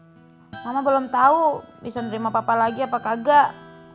iya pak mama belum tahu bisa nerima papa lagi apa kagak